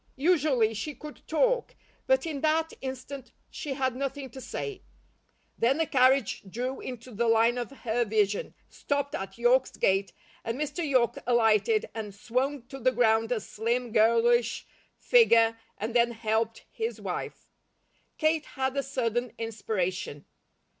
Usually she could talk, but in that instant she had nothing to say. Then a carriage drew into the line of her vision, stopped at York's gate, and Mr. York alighted and swung to the ground a slim girlish figure and then helped his wife. Kate had a sudden inspiration.